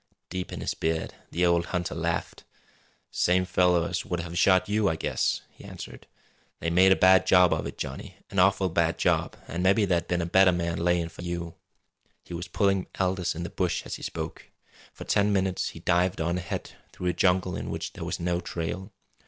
Deep in his beard the old hunter laughed. "Same fellow as would have shot you, I guess," he answered. "They made a bad job of it, Johnny, an awful bad job, an' mebby there'd been a better man layin' for you!" He was pulling Aldous in the bush as he spoke. For ten minutes he dived on ahead through a jungle in which there was no trail.